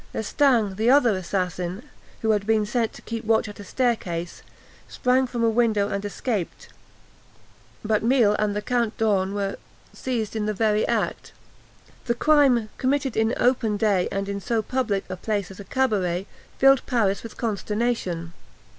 Lestang, the other assassin, who had been set to keep watch at a staircase, sprang from a window and escaped; but Mille and the Count d'Horn were seized in the very act. This crime, committed in open day, and in so public a place as a cabaret, filled Paris with consternation.